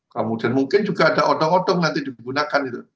kemudian mungkin juga ada odong odong nanti digunakan gitu